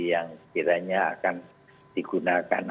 yang kiranya akan digunakan